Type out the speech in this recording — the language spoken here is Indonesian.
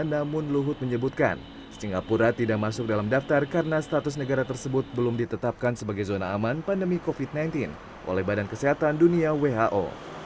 namun luhut menyebutkan singapura tidak masuk dalam daftar karena status negara tersebut belum ditetapkan sebagai zona aman pandemi covid sembilan belas oleh badan kesehatan dunia who